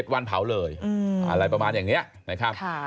วันเผาเลยอะไรประมาณอย่างนี้นะครับ